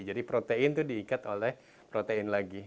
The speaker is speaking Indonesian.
jadi protein itu diikat oleh protein lagi